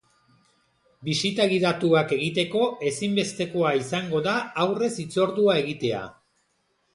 Bisita gidatuak egiteko ezinbestekoa izango da aurrez hitzordua egitea.